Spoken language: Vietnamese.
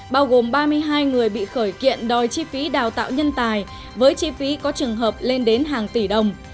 bao gồm ba mươi hai người bị khởi kiện đòi chi phí đào tạo nhân tài với chi phí có trường hợp lên đến hàng tỷ đồng